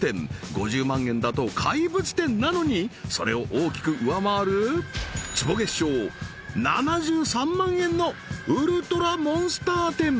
５０万円だと怪物店なのにそれを大きく上回る坪月商７３万円のウルトラモンスター店！